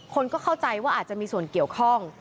คนก็เข้าใจว่าอาจจะมีส่วนเกี่ยวข้อง